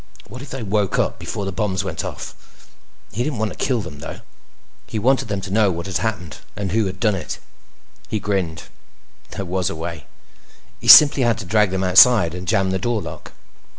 What if they woke up before the bombs went off? He didn't want to kill them though. He wanted them to know what had happened and who had done it. He grinned. There was a way. He simply had to drag them outside and jam the door lock.